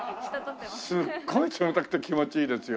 すっごい冷たくて気持ちいいですよ。